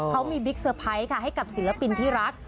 เขามีบิ๊กเซอร์ไพรส์ค่ะให้กับศิลปินที่รัก